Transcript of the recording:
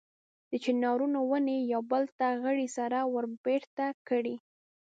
د چنارونو ونې یو بل ته غړۍ سره وربېرته کړي.